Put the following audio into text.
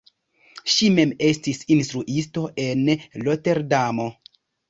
Ŝi mem estis instruisto en Roterdamo.